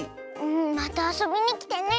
またあそびにきてね！